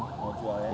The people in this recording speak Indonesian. oh jual ya